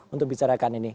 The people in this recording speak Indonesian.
untuk bicarakan ini